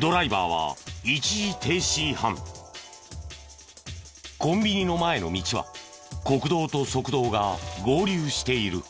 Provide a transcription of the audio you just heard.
ドライバーはコンビニの前の道は国道と側道が合流している。